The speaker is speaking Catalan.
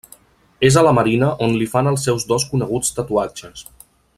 És a la marina on li fan els seus dos coneguts tatuatges.